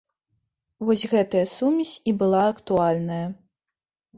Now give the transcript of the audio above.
Вось гэтая сумесь і была актуальная.